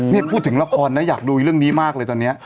นี่พูดถึงละครนะอยากดูเรื่องนี้มากเลยตอนนี้